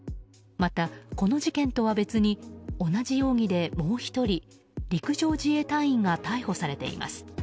またこの事件とは別に同じ容疑でもう１人、陸上自衛隊員が逮捕されています。